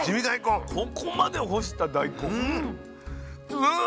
ここまで干した大根スー